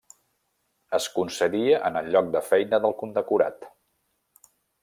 Es concedia en el lloc de feina del condecorat.